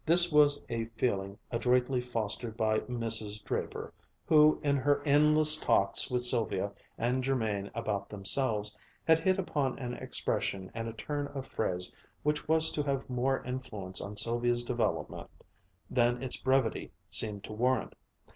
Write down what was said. This was a feeling adroitly fostered by Mrs. Draper, who, in her endless talks with Sylvia and Jermain about themselves, had hit upon an expression and a turn of phrase which was to have more influence on Sylvia's development than its brevity seemed to warrant.